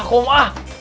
ah kum ah